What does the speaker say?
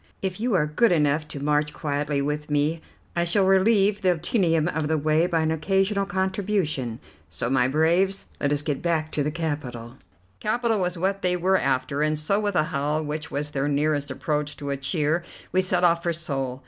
If you are good enough to march quietly with me, I shall relieve the tedium of the way by an occasional contribution. So, my braves, let us get back to the capital." Capital was what they were after, and so with a howl, which was their nearest approach to a cheer, we set off for Seoul.